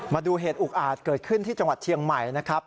มาดูเหตุอุกอาจเกิดขึ้นที่จังหวัดเชียงใหม่นะครับ